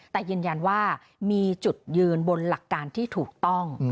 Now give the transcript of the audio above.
แต่ยืนยันว่ามีจุดยืนบนหลักการที่ถูกต้อง